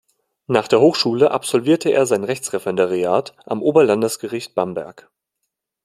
Nach der Hochschule absolvierte er sein Rechtsreferendariat am Oberlandesgericht Bamberg.